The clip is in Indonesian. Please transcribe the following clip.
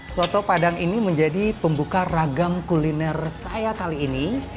soto padang ini menjadi pembuka ragam kuliner saya kali ini